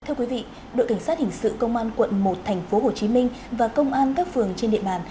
thưa quý vị đội cảnh sát hình sự công an quận một tp hcm và công an các phường trên địa bàn